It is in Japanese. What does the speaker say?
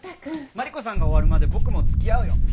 マリコさんが終わるまで僕も付き合うよ。